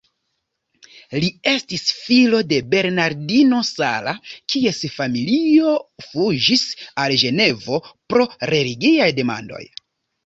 Li estis filo de Bernardino Sala, kies familio fuĝis al Ĝenevo pro religiaj demandoj.